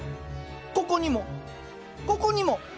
ここにもここにも。